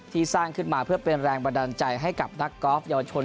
สร้างขึ้นมาเพื่อเป็นแรงบันดาลใจให้กับนักกอล์ฟเยาวชน